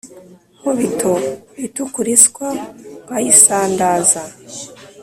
Nkubito itikura iswa nkayisandaza